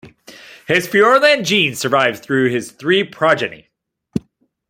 His Fiordland genes survive through his three progeny.